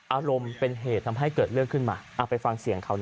อารมณ์เป็นเหตุทำให้เกิดเรื่องขึ้นมา